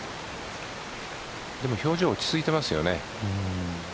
でも表情落ち着いていますよね。